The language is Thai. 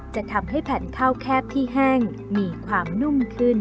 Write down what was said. จะทำให้แผ่นข้าวแคบที่แห้งมีความนุ่มขึ้น